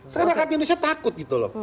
sekarang rakyat indonesia takut gitu loh